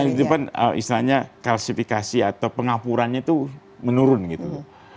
itu kan istilahnya kalsifikasi atau pengapurannya itu menurun gitu